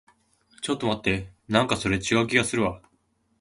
ちょっと待って。なんかそれ、違う気がするわ。